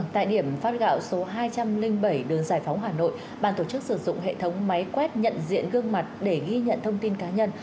tại điểm phát gạo số hai trăm linh bảy đường giải phóng hà nội ban tổ chức sử dụng hệ thống máy quét nhận diện gương mặt để ghi nhận thông tin cá nhân